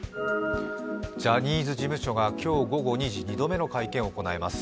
ジャニーズ事務所は今日午後２時２度目の会見を行います。